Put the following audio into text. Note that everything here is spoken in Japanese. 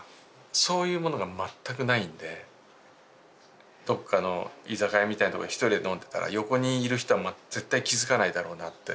そういうものが全くないんでどっかの居酒屋みたいなとこで一人で飲んでたら横にいる人は絶対気付かないだろうなって。